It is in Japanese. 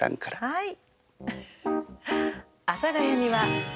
はい。